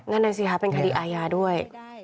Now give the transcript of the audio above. นั่นไงสิครับเป็นคดีอายาด้วย